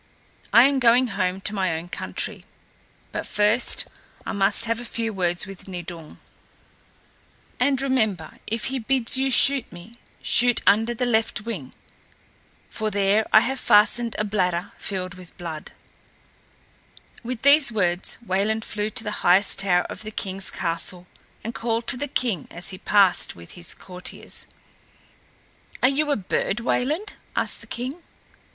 I am going home to my own country, but first I must have a few words with Nidung. And, remember, if he bids you shoot me, shoot under the left wing, for there I have fastened a bladder filled with blood." With these words Wayland flew to the highest tower of the king's castle and called to the king as he passed with his courtiers. [Illustration: WAYLAND THE SMITH, WEARING THE WINGS HE HAD FASHIONED] "Are you a bird, Wayland?" asked the king.